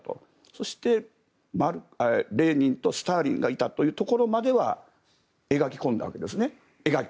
そしてレーニンとスターリンがいたというところまでは描き込んだわけですね。